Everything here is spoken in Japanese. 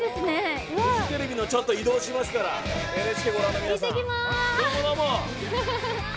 フジテレビの移動しますからＮＨＫをご覧の皆さん。